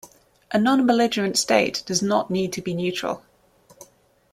A non-belligerent state does not need to be neutral.